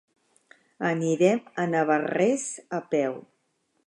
Anirem a Navarrés a peu.